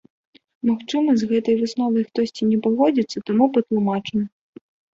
Магчыма, з гэтай высновай хтосьці не пагодзіцца, таму патлумачым.